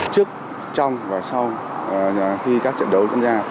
trước trong và sau khi các trận đấu chung gia